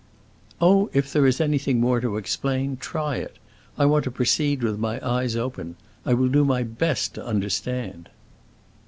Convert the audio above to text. "Oh, if there is anything more to explain, try it! I want to proceed with my eyes open. I will do my best to understand."